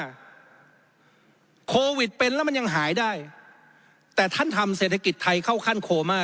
โควิดเป็นแล้วมันยังหายได้แต่ท่านทำเศรษฐกิจไทยเข้าขั้นโคม่า